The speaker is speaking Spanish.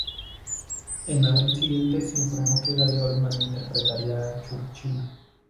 En abril siguiente, se informó que Gary Oldman interpretaría a Churchill.